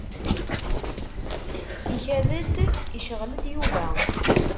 Ikad-d icɣel-d Yuba.